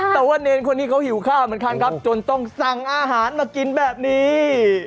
แต่ว่าเนรคนนี้เขาหิวข้าวเหมือนกันครับจนต้องสั่งอาหารมากินแบบนี้